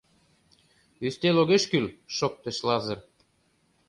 — Ӱстел огеш кӱл, — шоктыш Лазыр.